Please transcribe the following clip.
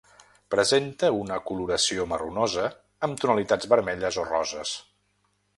Presenta una coloració marronosa amb tonalitats vermelles o roses.